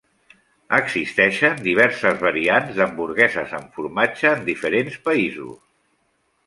Existeixen diverses variants d'hamburgueses amb formatge en diferents països.